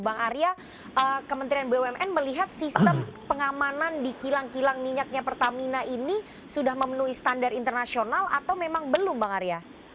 bang arya kementerian bumn melihat sistem pengamanan di kilang kilang minyaknya pertamina ini sudah memenuhi standar internasional atau memang belum bang arya